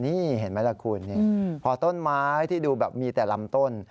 นี่เห็นไหมล่ะคุณพอต้นไม้ที่ดูแบบมีแต่ลำต้น